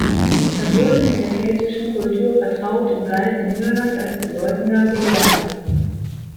Er wurde mit der keltischen Kultur vertraut und galt in Irland als bedeutender Gelehrter.